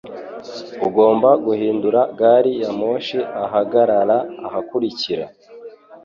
Ugomba guhindura gari ya moshi ahagarara ahakurikira.